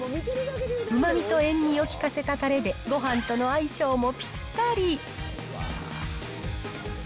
うまみと塩味を効かせたたれで、ごはんとの相性もぴったり。